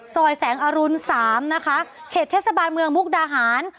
ซอยแสงอรุณสามนะคะเขตเทศบาลเมืองมุกดาหาร